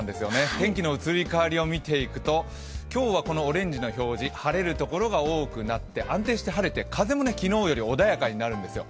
天気の移り変わりを見ていくと、今日はこのオレンジの表示晴れるところが多くなって、安定して晴れて風も昨日より穏やかになるんですよ。